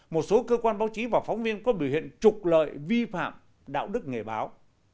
một số cơ quan báo chí và phóng viên có biểu hiện trục lợi vi phạm đạo đức nghề báo